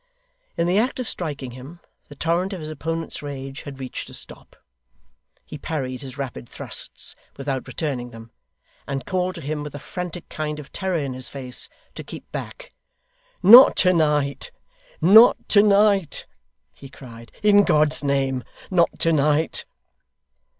In the act of striking him, the torrent of his opponent's rage had reached a stop. He parried his rapid thrusts, without returning them, and called to him, with a frantic kind of terror in his face, to keep back. 'Not to night! not to night!' he cried. 'In God's name, not tonight!